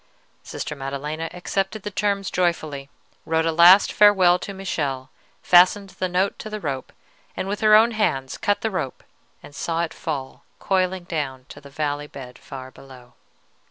Sister Maddelena accepted the terms joyfully, wrote a last farewell to Michele, fastened the note to the rope, and with her own hands cut the rope and saw it fall coiling down to the valley bed far below.